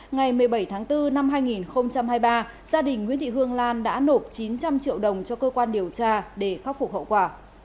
ngày một mươi bảy tháng bốn năm hai nghìn hai mươi ba gia đình nguyễn thị hương lan đã nộp chín trăm linh triệu đồng cho cơ quan điều tra để khắc phục hậu quả